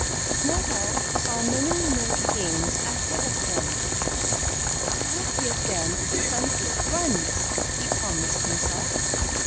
Snowball saw many merry games ahead of him. "I'll give them some good runs!" he promised himself.